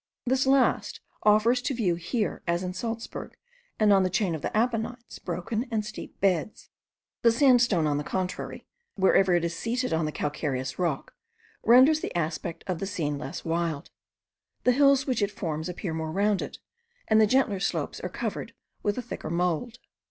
This last offers to view here, as in Saltzburg, and on the chain of the Apennines, broken and steep beds. The sandstone, on the contrary, wherever it is seated on the calcareous rock, renders the aspect of the scene less wild. The hills which it forms appear more rounded, and the gentler slopes are covered with a thicker mould.